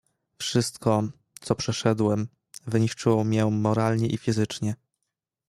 "„Wszystko, co przeszedłem, wyniszczyło mię moralnie i fizycznie."